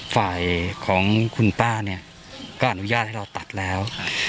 ฝ่ายของคุณป้าเนี่ยก็อนุญาตให้เราตัดแล้ว